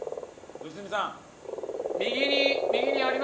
良純さん。